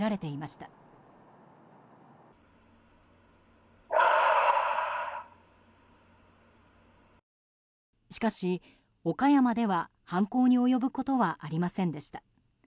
しかし、岡山では犯行に及ぶことはありませんでした。